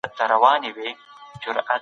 د نورو مال ته سترګې مه غړوئ.